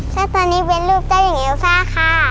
เสื้อตัวนี้เป็นลูกเจ้าหญิงเอวซ่าค่ะ